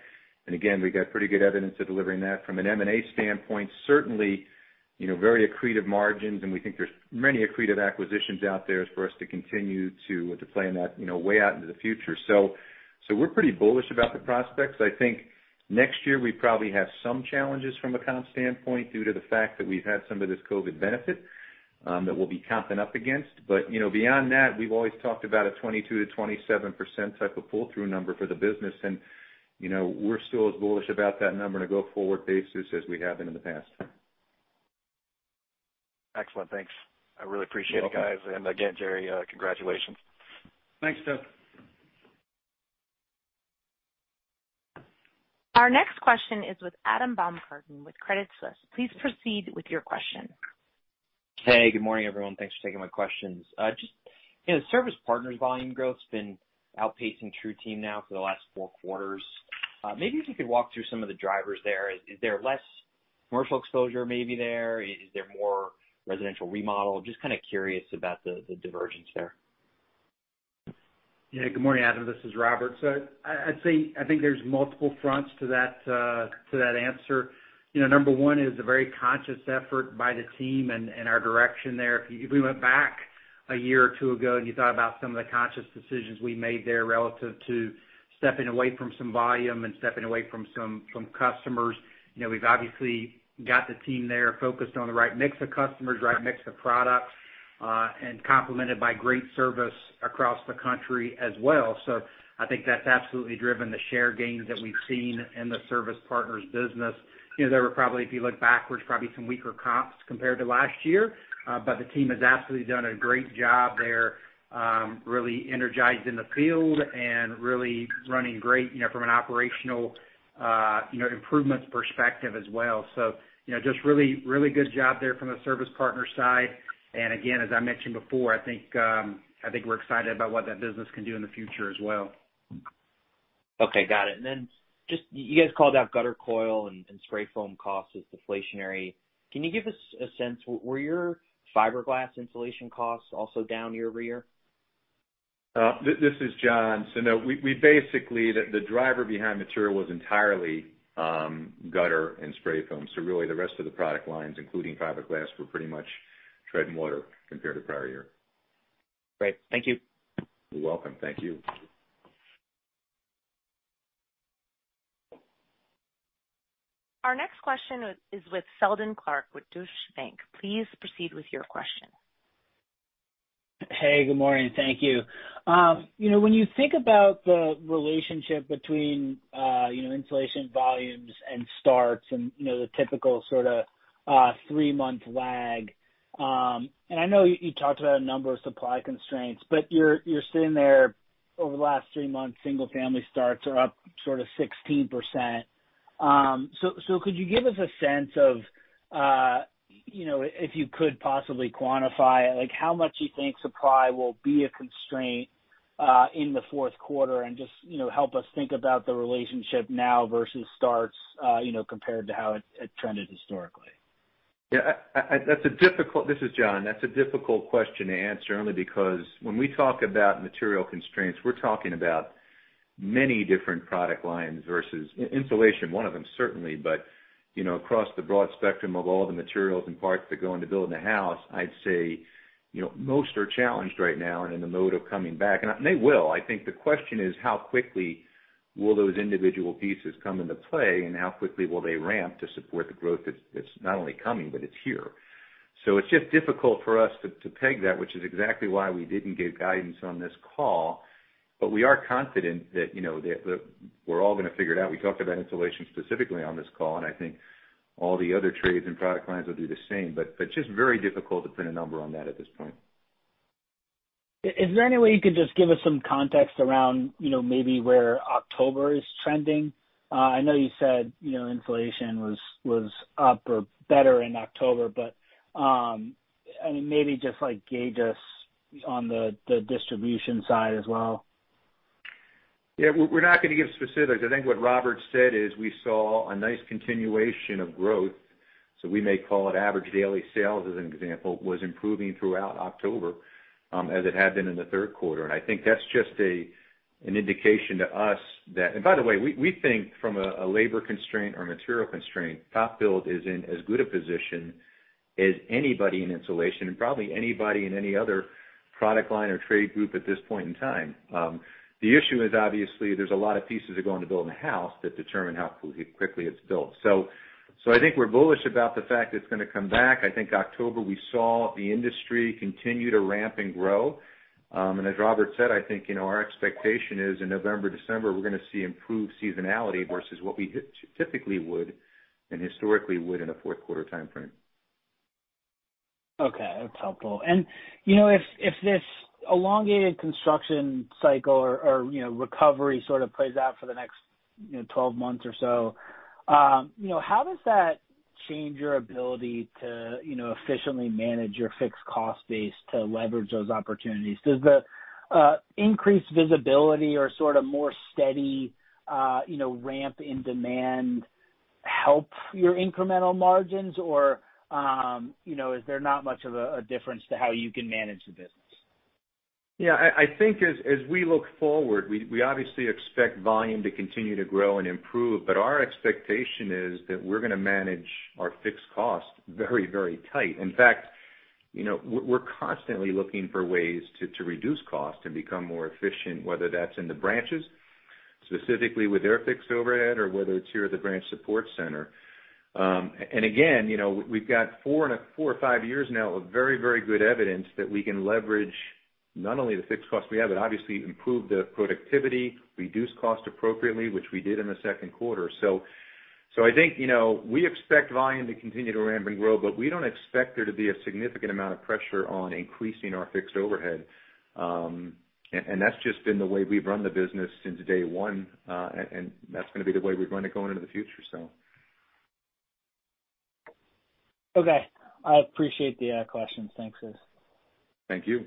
And again, we've got pretty good evidence of delivering that. From an M&A standpoint, certainly, you know, very accretive margins, and we think there's many accretive acquisitions out there for us to continue to play in that, you know, way out into the future. So we're pretty bullish about the prospects. I think next year we probably have some challenges from a comp standpoint, due to the fact that we've had some of this COVID benefit, that we'll be comping up against. But, you know, beyond that, we've always talked about a 22%-27% type of pull-through number for the business. And, you know, we're still as bullish about that number on a go-forward basis as we have been in the past. Excellent. Thanks. I really appreciate it, guys. You're welcome. And again, Jerry, congratulations. Thanks, Justin. Our next question is with Adam Baumgarten, with Credit Suisse. Please proceed with your question. Hey, good morning, everyone. Thanks for taking my questions. Just, you know, Service Partners' volume growth has been outpacing TruTeam now for the last four quarters. Maybe if you could walk through some of the drivers there. Is there less commercial exposure maybe there? Is there more residential remodel? Just kind of curious about the divergence there. Yeah, good morning, Adam, this is Robert. So I'd say I think there's multiple fronts to that, to that answer. You know, number one is a very conscious effort by the team and our direction there. If you, we went back a year or two ago, and you thought about some of the conscious decisions we made there relative to stepping away from some volume and stepping away from some customers. You know, we've obviously got the team there focused on the right mix of customers, right mix of products, and complemented by great service across the country as well. So I think that's absolutely driven the share gains that we've seen in the Service Partners business. You know, there were probably, if you look backwards, probably some weaker comps compared to last year. But the team has absolutely done a great job there, really energized in the field and really running great, you know, from an operational, you know, improvements perspective as well. So, you know, just really, really good job there from the Service Partners side. And again, as I mentioned before, I think, I think we're excited about what that business can do in the future as well. Okay, got it. And then just you guys called out gutter coil and, and spray foam costs as deflationary. Can you give us a sense, were your fiberglass insulation costs also down year-over-year? This is John. So, no, we basically, the driver behind material was entirely gutter and spray foam. So really, the rest of the product lines, including fiberglass, were pretty much treading water compared to prior year. Great. Thank you. You're welcome. Thank you. Our next question is with Seldon Clarke, with Deutsche Bank. Please proceed with your question. Hey, good morning. Thank you. You know, when you think about the relationship between, you know, insulation volumes and starts and, you know, the typical sort of, three-month lag, and I know you talked about a number of supply constraints, but you're sitting there over the last three months, single family starts are up sort of 16%. So could you give us a sense of, you know, if you could possibly quantify, like, how much you think supply will be a constraint, in the fourth quarter? And just, you know, help us think about the relationship now versus starts, you know, compared to how it trended historically. Yeah, that's a difficult. This is John. That's a difficult question to answer, only because when we talk about material constraints, we're talking about many different product lines versus insulation, one of them, certainly, but you know, across the broad spectrum of all the materials and parts that go into building a house, I'd say, you know, most are challenged right now and in the mode of coming back, and they will. I think the question is: How quickly will those individual pieces come into play, and how quickly will they ramp to support the growth that's not only coming, but it's here, so it's just difficult for us to peg that, which is exactly why we didn't give guidance on this call, but we are confident that, you know, we're all going to figure it out. We talked about insulation specifically on this call, and I think all the other trades and product lines will do the same, but just very difficult to put a number on that at this point. Is there any way you could just give us some context around, you know, maybe where October is trending? I know you said, you know, inflation was up or better in October, but and maybe just like gauge us on the distribution side as well. Yeah, we're not going to give specifics. I think what Robert said is we saw a nice continuation of growth, so we may call it average daily sales, as an example, was improving throughout October, as it had been in the third quarter. And I think that's just an indication to us that and by the way, we think from a labor constraint or material constraint, TopBuild is in as good a position as anybody in insulation and probably anybody in any other product line or trade group at this point in time. The issue is, obviously, there's a lot of pieces that go into building a house that determine how quickly it's built. So I think we're bullish about the fact it's going to come back. I think October, we saw the industry continue to ramp and grow. And as Robert said, I think, you know, our expectation is in November, December, we're going to see improved seasonality versus what we typically would and historically would in a fourth quarter timeframe. Okay, that's helpful. And, you know, if this elongated construction cycle or recovery sort of plays out for the next, you know, twelve months or so, you know, how does that change your ability to, you know, efficiently manage your fixed cost base to leverage those opportunities? Does the increased visibility or sort of more steady, you know, ramp in demand help your incremental margins? Or, you know, is there not much of a difference to how you can manage the business? Yeah, I think as we look forward, we obviously expect volume to continue to grow and improve, but our expectation is that we're gonna manage our fixed costs very, very tight. In fact, you know, we're constantly looking for ways to reduce costs and become more efficient, whether that's in the branches, specifically with their fixed overhead, or whether it's here at the branch support center, and again, you know, we've got four or five years now of very, very good evidence that we can leverage not only the fixed costs we have, but obviously improve the productivity, reduce cost appropriately, which we did in the second quarter, so I think, you know, we expect volume to continue to ramp and grow, but we don't expect there to be a significant amount of pressure on increasing our fixed overhead. And that's just been the way we've run the business since day one, and that's gonna be the way we're going to go into the future, so. Okay. I appreciate the question. Thanks, Chris. Thank you.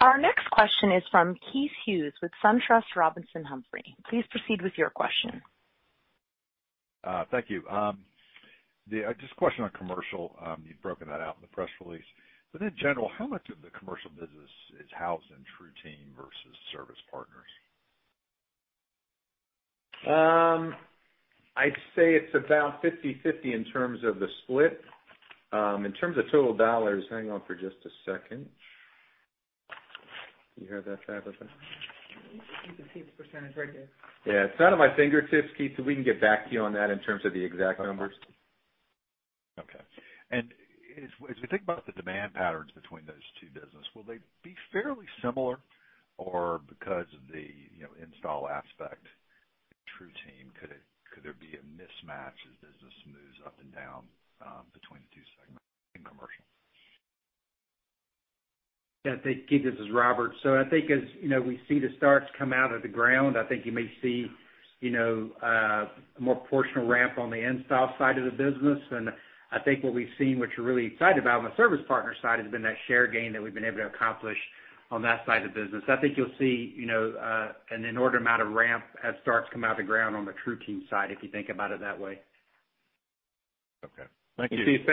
Our next question is from Keith Hughes with SunTrust Robinson Humphrey. Please proceed with your question. Thank you. Just a question on commercial. You've broken that out in the press release. But in general, how much of the commercial business is housed in TruTeam versus Service Partners? I'd say it's about 50/50 in terms of the split. In terms of total dollars, hang on for just a second. Do you have that, Tabitha? You can see the percentage right there. Yeah, it's not on my fingertips, Keith, so we can get back to you on that in terms of the exact numbers. Okay. And as we think about the demand patterns between those two business, will they be fairly similar? Or because of the, you know, install aspect, TruTeam, could there be a mismatch as business moves up and down, between the two segments in commercial? Yeah, thank you. This is Robert. So I think as, you know, we see the starts come out of the ground, I think you may see, you know, a more proportional ramp on the install side of the business. And I think what we've seen, which we're really excited about on the Service Partners side, has been that share gain that we've been able to accomplish on that side of the business. I think you'll see, you know, an inordinate amount of ramp as starts come out of the ground on the TruTeam side, if you think about it that way. Okay. Thank you. Keith,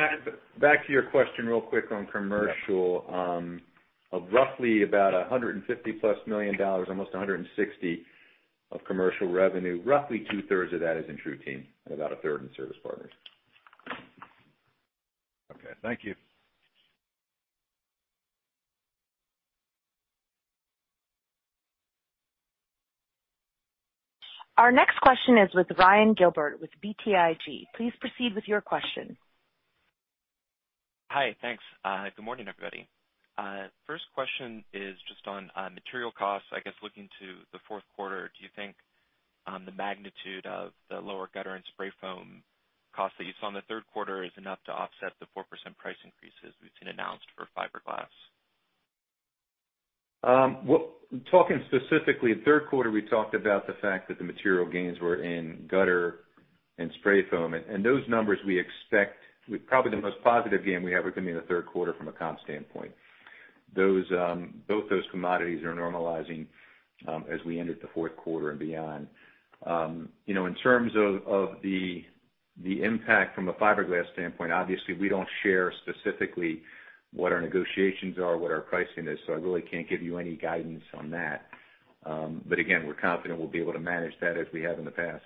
back to your question real quick on commercial. Yeah. Of roughly about $150-plus million, almost $160 million of commercial revenue, roughly 2/3 of that is in TruTeam and about a third in Service Partners. Okay, thank you. Our next question is with Ryan Gilbert, with BTIG. Please proceed with your question. Hi, thanks. Good morning, everybody. First question is just on material costs. I guess looking to the fourth quarter, do you think the magnitude of the lower gutter and spray foam costs that you saw in the third quarter is enough to offset the 4% price increases we've seen announced for fiberglass? Well, talking specifically, in third quarter, we talked about the fact that the material gains were in gutter and spray foam, and those numbers we expect... With probably the most positive gain we have are going to be in the third quarter from a comp standpoint. Those, both those commodities are normalizing, as we enter the fourth quarter and beyond. You know, in terms of the impact from a fiberglass standpoint, obviously, we don't share specifically what our negotiations are, what our pricing is, so I really can't give you any guidance on that. But again, we're confident we'll be able to manage that as we have in the past.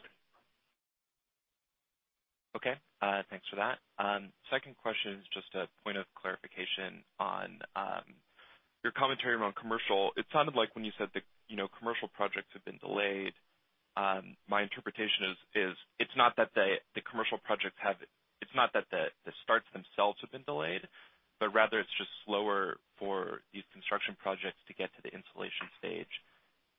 Okay, thanks for that. Second question is just a point of clarification on your commentary around commercial. It sounded like when you said, you know, commercial projects have been delayed, my interpretation is it's not that the starts themselves have been delayed, but rather it's just slower for these construction projects to get to the installation stage.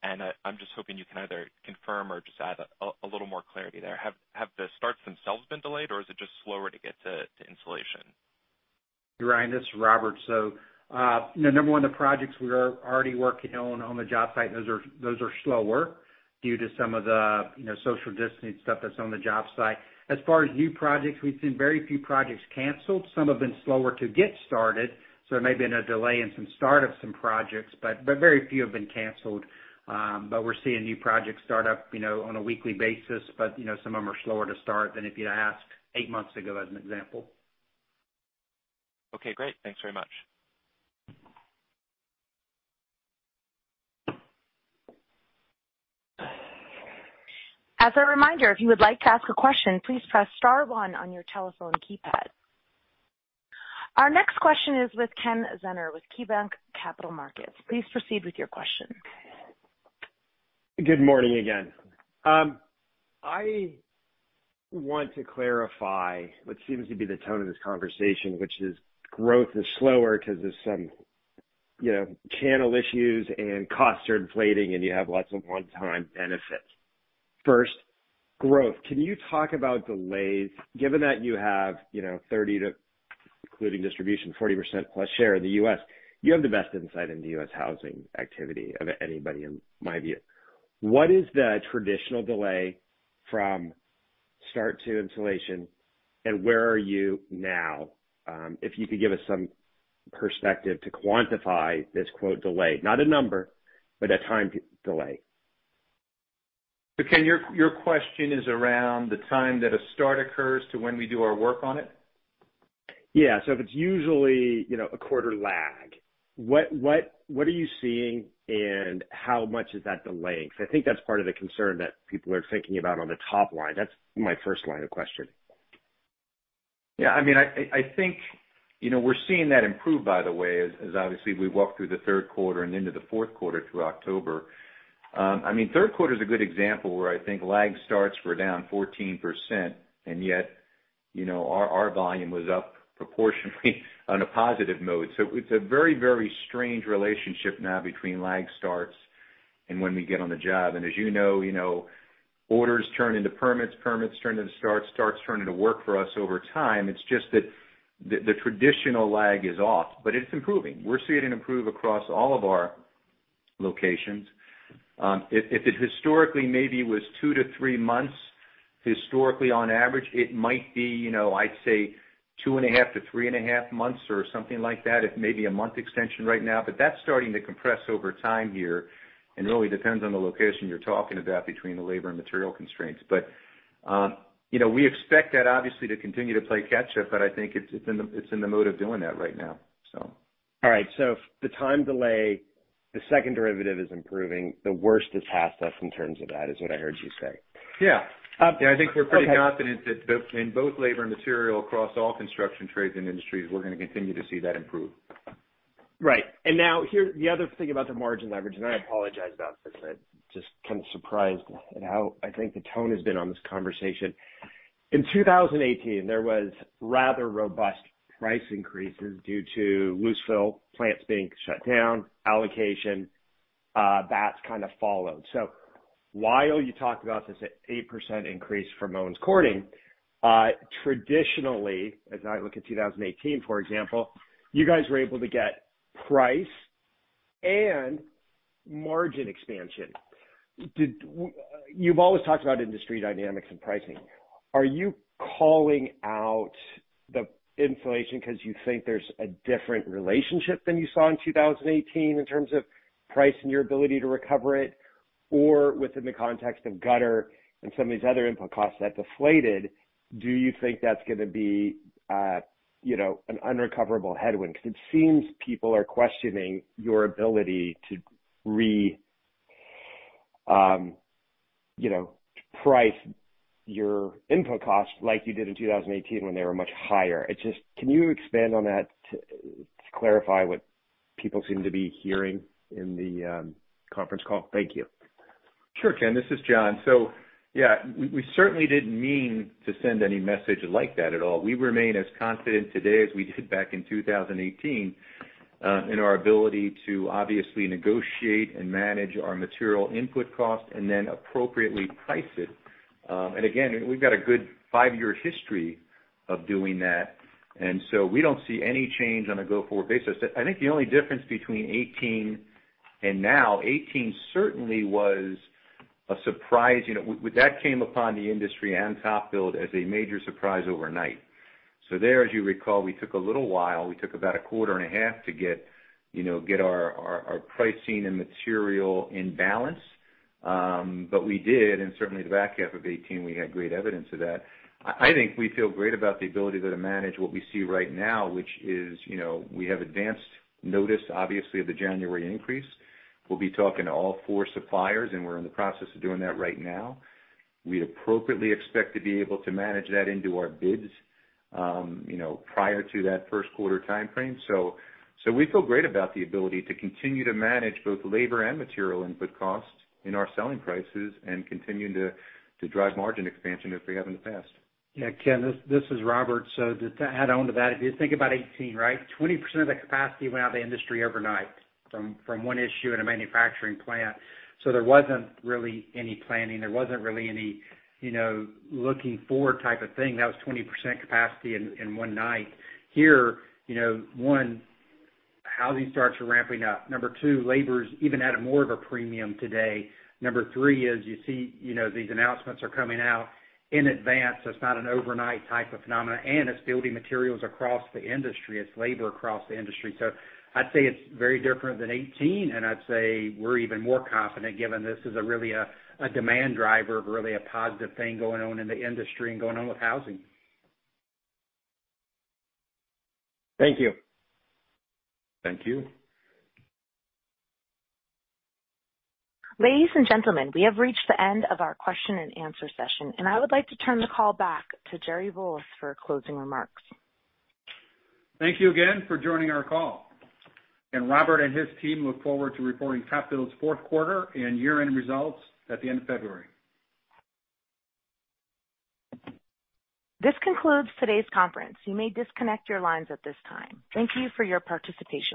And, I'm just hoping you can either confirm or just add a little more clarity there. Have the starts themselves been delayed, or is it just slower to get to installation? Ryan, this is Robert. So, you know, number one, the projects we are already working on, on the job site, those are slower due to some of the, you know, social distancing stuff that's on the job site. As far as new projects, we've seen very few projects canceled. Some have been slower to get started, so there may have been a delay in some start of some projects, but very few have been canceled. But we're seeing new projects start up, you know, on a weekly basis, but, you know, some of them are slower to start than if you'd asked eight months ago, as an example. Okay, great. Thanks very much. As a reminder, if you would like to ask a question, please press star one on your telephone keypad. Our next question is with Ken Zener, with KeyBanc Capital Markets. Please proceed with your question. Good morning again. I want to clarify what seems to be the tone of this conversation, which is growth is slower because there's you know, channel issues and costs are inflating, and you have lots of one-time benefits. First, growth. Can you talk about delays, given that you have, you know, 30 to, including distribution, 40% plus share in the U.S.? You have the best insight into U.S. housing activity of anybody, in my view. What is the traditional delay from start to installation, and where are you now? If you could give us some perspective to quantify this, quote, delay, not a number, but a time delay. So Ken, your question is around the time that a start occurs to when we do our work on it? Yeah. So if it's usually, you know, a quarter lag, what are you seeing and how much is that delaying? Because I think that's part of the concern that people are thinking about on the top line. That's my first line of questioning. Yeah, I mean, I think, you know, we're seeing that improve, by the way, as obviously we walk through the third quarter and into the fourth quarter through October. I mean, third quarter is a good example where I think lag starts were down 14%, and yet, you know, our volume was up proportionately on a positive mode. So it's a very, very strange relationship now between lag starts and when we get on the job. And as you know, you know, orders turn into permits, permits turn into starts, starts turn into work for us over time. It's just that the traditional lag is off, but it's improving. We're seeing it improve across all of our locations. If it historically maybe was two to three months, historically, on average, it might be, you know, I'd say two and a half-three and a half months or something like that. It may be a month extension right now, but that's starting to compress over time here and really depends on the location you're talking about between the labor and material constraints. You know, we expect that, obviously, to continue to play catch up, but I think it's in the mode of doing that right now, so. All right, so the time delay, the second derivative is improving. The worst is past us in terms of that, is what I heard you say. Yeah. Um, okay. Yeah, I think we're pretty confident that both in both labor and material across all construction trades and industries, we're going to continue to see that improve. Right. And now, here, the other thing about the margin leverage, and I apologize about this. I'm just kind of surprised at how I think the tone has been on this conversation. In two thousand and eighteen, there was rather robust price increases due to loose fill, plants being shut down, allocation, that's kind of followed. So while you talked about this 8% increase for Owens Corning, traditionally, as I look at 2018, for example, you guys were able to get price and margin expansion. Did you've always talked about industry dynamics and pricing. Are you calling out the inflation because you think there's a different relationship than you saw in 2018, in terms of price and your ability to recover it? Or within the context of gutter and some of these other input costs that deflated, do you think that's going to be, you know, an unrecoverable headwind? Because it seems people are questioning your ability to reprice your input costs like you did in 2018, when they were much higher. It's just, can you expand on that to clarify what people seem to be hearing in the conference call? Thank you. Sure, Ken, this is John. So, yeah, we certainly didn't mean to send any message like that at all. We remain as confident today as we did back in 2018 in our ability to obviously negotiate and manage our material input costs and then appropriately price it. And again, we've got a good five-year history of doing that, and so we don't see any change on a go-forward basis. I think the only difference between eighteen and now, eighteen certainly was a surprise. You know, that came upon the industry and TopBuild as a major surprise overnight. So there, as you recall, we took a little while. We took about a quarter and a half to get our pricing and material in balance. But we did, and certainly the back half of 2018, we had great evidence of that. I think we feel great about the ability to manage what we see right now, which is, you know, we have advanced notice, obviously, of the January increase. We'll be talking to all four suppliers, and we're in the process of doing that right now. We appropriately expect to be able to manage that into our bids, you know, prior to that first quarter timeframe. So we feel great about the ability to continue to manage both labor and material input costs in our selling prices and continuing to drive margin expansion as we have in the past. Yeah, Ken, this is Robert. So to add on to that, if you think about 2018, right? 20% of the capacity went out of the industry overnight from one issue in a manufacturing plant. So there wasn't really any planning. There wasn't really any, you know, looking forward type of thing. That was 20% capacity in one night. Here, you know, one, housing starts are ramping up. Number two, labor's even at a more of a premium today. Number three is you see, you know, these announcements are coming out in advance, so it's not an overnight type of phenomenon, and it's building materials across the industry, it's labor across the industry. So I'd say it's very different than 2018, and I'd say we're even more confident, given this is really a demand driver of really a positive thing going on in the industry and going on with housing. Thank you. Thank you. Ladies and gentlemen, we have reached the end of our question and answer session, and I would like to turn the call back to Jerry Volas for closing remarks. Thank you again for joining our call, and Robert and his team look forward to reporting TopBuild's fourth quarter and year-end results at the end of February. This concludes today's conference. You may disconnect your lines at this time. Thank you for your participation.